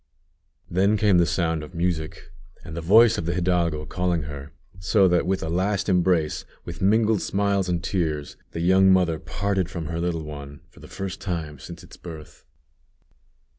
_" Then came the sound of music, and the voice of the hidalgo calling her; so with a last embrace, with mingled smiles and tears, the young mother parted from her little one, for the first time since its birth.